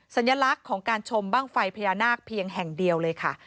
สัญลักษณ์ของการชมบ้างไฟพญานาคเพียงแห่งเดียวเลยค่ะ